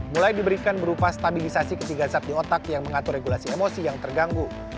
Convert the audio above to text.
mulai diberikan berupa stabilisasi ketiga zat di otak yang mengatur regulasi emosi yang terganggu